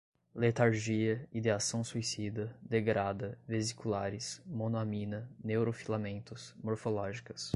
letargia, ideação suicida, degrada, vesiculares, monoamina, neurofilamentos, morfológicas